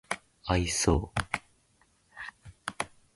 愛想